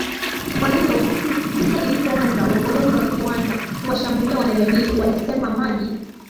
kwa hiyo basi vita ilipoanza wakoloni walipoanza kuwashambulia wanajamii walisema maji